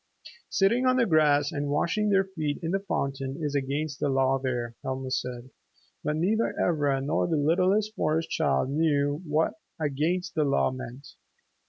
"Sitting on the grass and washing their feet in the fountain is against the law there," Helma said. But neither Ivra nor the littlest Forest Child knew what "against the law" meant.